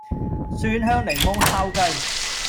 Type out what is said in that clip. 蒜香檸檬烤雞